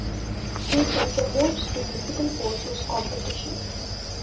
They felt the most significant force was competition.